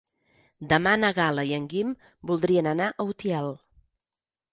Demà na Gal·la i en Guim voldrien anar a Utiel.